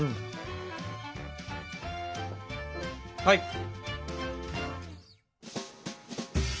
はい。